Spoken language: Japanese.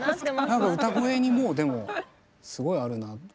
歌声にもうでもすごいあるなって。